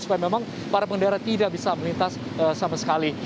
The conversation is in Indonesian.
supaya memang para pengendara tidak bisa melintas sama sekali